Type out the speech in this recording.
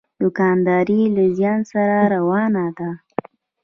دوکانداري یې له زیان سره روانه ده.